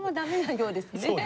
そうですね。